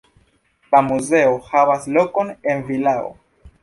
La muzeo havas lokon en vilao.